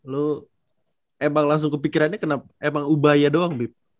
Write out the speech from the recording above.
lu emang langsung kepikirannya kenapa emang ubaya doang nih